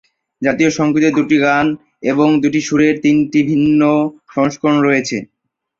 জাতীয় সঙ্গীতের দুটি গান এবং দুটি সুরের তিনটি ভিন্ন সংস্করণ রয়েছে।